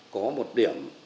có một điểm